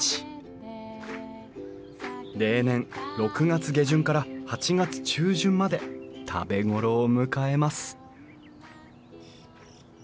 例年６月下旬から８月中旬まで食べ頃を迎えます